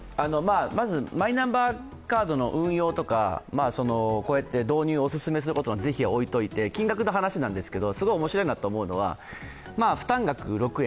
まずマイナンバーカードの運用とか、こうやって導入をお勧めすることの是非は置いておいて、金額の話なんですけどすごい面白いなと思うのは負担額６円。